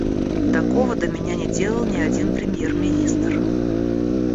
Такого до меня не делал ни один премьер-министр.